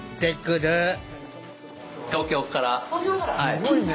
すごいね。